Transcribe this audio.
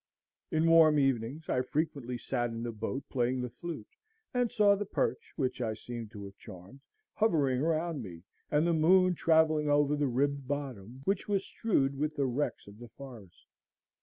In warm evenings I frequently sat in the boat playing the flute, and saw the perch, which I seemed to have charmed, hovering around me, and the moon travelling over the ribbed bottom, which was strewed with the wrecks of the forest.